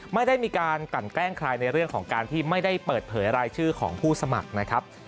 ไม่ได้มีการกลั่นแกล้งใครในเรื่องของการที่ไม่ได้เปิดเผยรายชื่อของผู้สมัครนะครับ